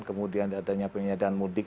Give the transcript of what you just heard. kemudian adanya penyediaan mudik